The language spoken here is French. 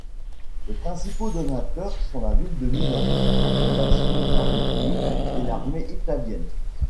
Les principaux donateurs sont la ville de Milan, la Fondation Cariplo et l'armée italienne.